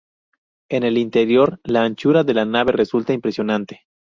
En el interior, la anchura de la nave resulta impresionante.